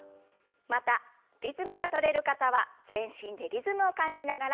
またリズムが取れる方は全身でリズムを感じながら。